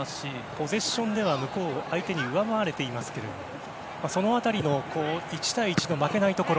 ポゼッションでは相手に上回れていますけどもその辺り１対１の負けないところ。